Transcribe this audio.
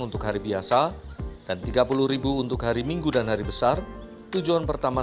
untuk hari biasa dan tiga puluh untuk hari minggu dan hari besar tujuan pertama